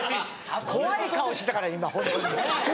怖い顔してたから今ホントに。